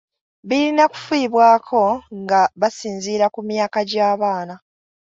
Birina kufiibwako nga basinziira ku myaka gy’abaana.